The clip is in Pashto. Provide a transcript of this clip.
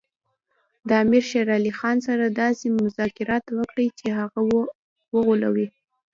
د امیر شېر علي خان سره داسې مذاکرات وکړي چې هغه وغولوي.